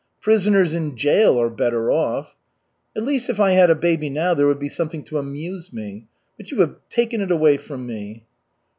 Prisoners in jail are better off. At least, if I had a baby now, there would be something to amuse me. But you have taken it away from me."